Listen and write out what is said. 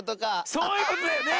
そういうことだよね！